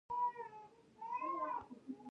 ژبې د افغانستان د ځانګړي جغرافیه استازیتوب کوي.